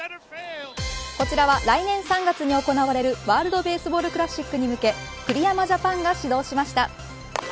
こちらは来年３月に行われるワールドベースボールクラシックに向け栗山ジャパンが始動しました。